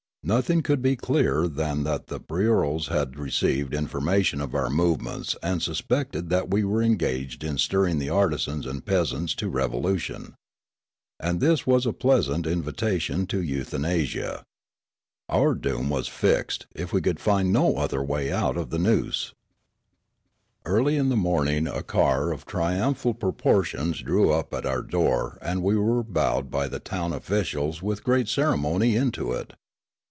Nothing could be clearer than that the bureaus had received information of our movements and suspected that we were engaged in stirring the artisans and peasants to revolution. And this was a pleasant invitation to euthanasia. Our doom was fixed if we could find no other way out of the noose. 117 ii8 Riallaro Early in the morning a car of triumphal proportions drew up at our door and we were bowed by the town oflScials with great ceremony into it.